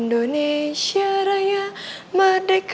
bangsa dan tanah